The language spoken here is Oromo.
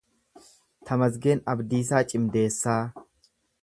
Tamasgeen Abdiisaa Cimdeessaa